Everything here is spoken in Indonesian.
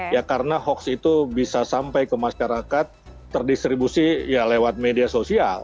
ya karena hoax itu bisa sampai ke masyarakat terdistribusi ya lewat media sosial